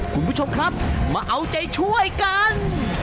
คุณผู้ชมครับมาเอาใจช่วยกัน